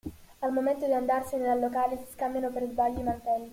Al momento di andarsene dal locale si scambiano per sbaglio i mantelli.